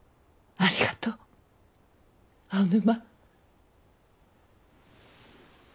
ありがとう青沼。